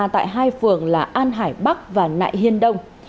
tại hai phường là an hải bắc và nại hiên đông